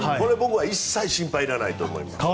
一切心配いらないと思います。